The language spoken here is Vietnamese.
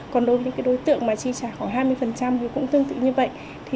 còn đối với những đối tượng mà chi trả khoảng hai mươi thì cũng tương tự như vậy